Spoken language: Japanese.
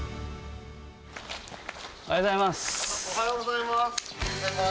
おはようございます。